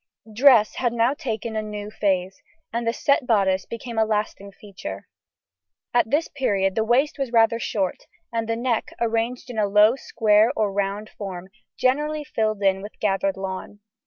Dress had now taken a new phase, and the set bodice became a lasting feature. At this period the waist was rather short, and the neck, arranged in a low square or round form, generally filled in with gathered lawn.